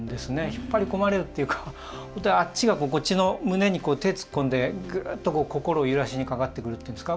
引っ張り込まれるというかこっちの胸に手を突っ込んでぐっと心を揺らしにかかってくるというんですか。